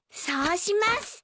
そうします。